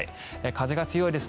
風が強いです。